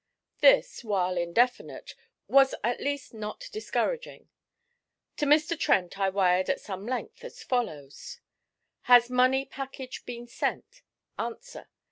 This, while indefinite, was at least not discouraging. To Mr. Trent I wired at some length, as follows: 'Has money package been sent? Answer.